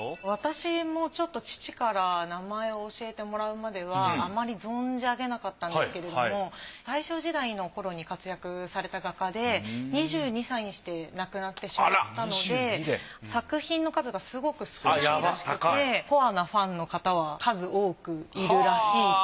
私もちょっと父から名前を教えてもらうまではあまり存じ上げなかったんですけれども大正時代の頃に活躍された画家で２２歳にして亡くなってしまったので作品の数がすごく少ないらしくてコアなファンの方は数多くいるらしい。